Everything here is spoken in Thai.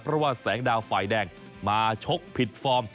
เพราะว่าแสงดาวฝ่ายแดงมาชกผิดฟอร์ม